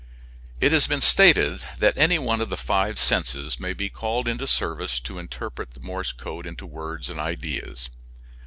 It has been stated that any one of the five senses may be called into service to interpret the Morse code into words and ideas.